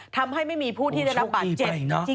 ทำให้ไม่มีผู้ที่ได้รับบาดเจ็บ